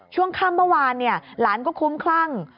ช่วงค่ำเมื่อวานหลานก็คุ้มคลั่ง